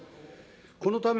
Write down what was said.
このため、